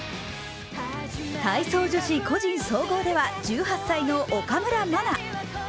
体操女子個人総合では１８歳の岡村真。